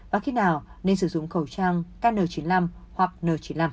và khi nào nên sử dụng khẩu trang kn chín mươi năm hoặc n chín mươi năm